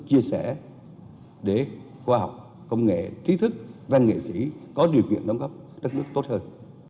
chia sẻ để khoa học công nghệ trí thức văn nghệ sĩ có điều kiện đóng góp đất nước tốt hơn